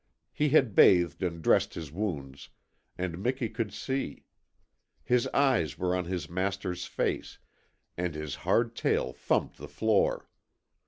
He had bathed and dressed his wounds, and Miki could see. His eyes were on his master's face, and his hard tail thumped the floor.